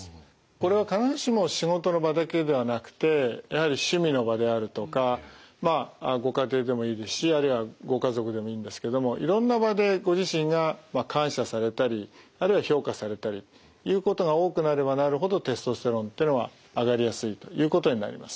これは必ずしも仕事の場だけではなくてやはり趣味の場であるとかまあご家庭でもいいですしあるいはご家族でもいいんですけどもいろんな場でご自身が感謝されたりあるいは評価されたりということが多くなればなるほどテストステロンってのは上がりやすいということになります。